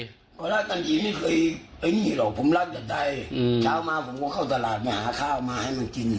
เช้ามาผมก็เข้าตลาดมาหาข้าวมาให้มันกิน